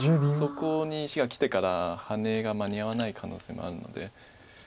そこに石がきてからハネが間に合わない可能性もあるので。